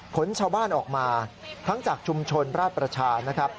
ชาวบ้านออกมาทั้งจากชุมชนราชประชานะครับ